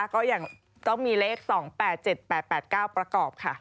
ก็ยังต้องมีเลข๒๘๗๘๘๙ประกอบค่ะ